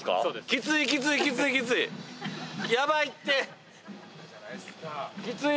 きついきついきついきつい。